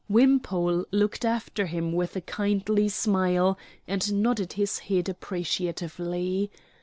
Wimpole looked after him with a kindly smile and nodded his head appreciatively.